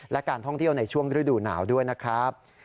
และการท่องเที่ยวในช่วงฤดูหนาวด้วยนะครับ